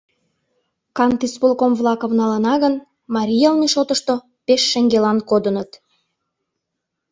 Кантисполком-влакым налына гын, марий йылме шотышто пеш шеҥгелан кодыныт.